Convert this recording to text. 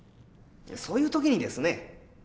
そういう時にですね